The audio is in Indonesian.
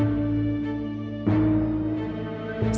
kau tidak bisa mencari makanan